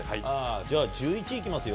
じゃあ１１位いきますよ。